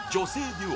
デュオ